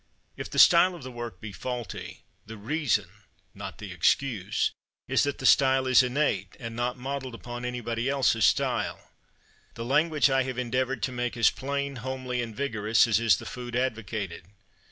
If the style of the work be faulty, the reason not the excuse is that the style is innate, and not modelled upon anybody else's style. The language I have endeavoured to make as plain, homely, and vigorous as is the food advocated.